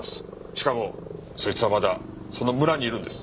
しかもそいつはまだその村にいるんです。